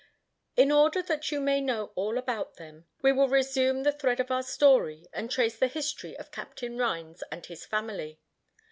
In order that you may know all about them, we will resume the thread of our story, and trace the history of Captain Rhines and his family.